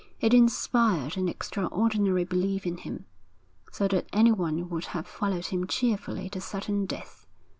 It inspired an extraordinary belief in him, so that anyone would have followed him cheerfully to certain death.